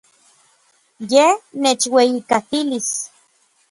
Yej nechueyijkatilis.